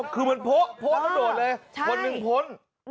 คือเหมือนโพ๊ะโพ๊ะก็โดดเลยพ้นหนึ่งพ้น